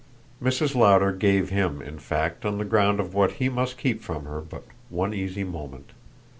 Mrs. Lowder gave him in fact, on the ground of what he must keep from her, but one uneasy moment.